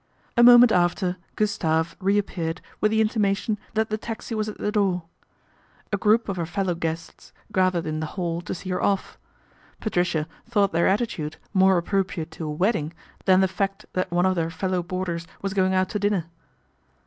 A moment after Gustave reappeared with the intimation that the taxi was at the door. A group of her fellow guests gathered in the hall to see her off. Patricia thought their attitude more appro priate to a wedding than the fact that one of their fellow boarders was going out to dinner.